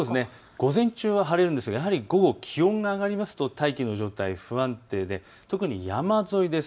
午前中は晴れるんですが午後、気温が上がりますと大気の状態が不安定で特に山沿いです。